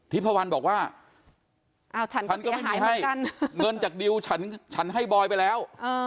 พวันบอกว่าฉันก็ไม่มีให้เงินจากดิวฉันให้บอยไปแล้ว